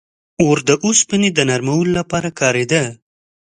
• اور د اوسپنې د نرمولو لپاره کارېده.